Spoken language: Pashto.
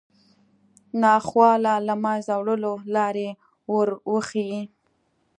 ناخوالو له منځه وړلو لارې وروښيي